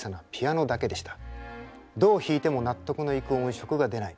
どう弾いても納得のいく音色が出ない。